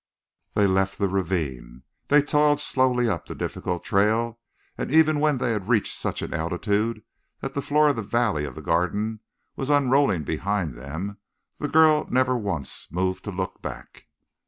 They left the ravine. They toiled slowly up the difficult trail, and even when they had reached such an altitude that the floor of the valley of the Garden was unrolling behind them the girl never once moved to look back.